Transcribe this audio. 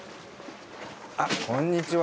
あっこんにちは。